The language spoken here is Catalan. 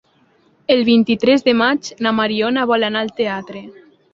El vint-i-tres de maig na Mariona vol anar al teatre.